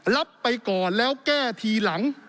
รับไปก่อนแล้วแก้ทีหลัง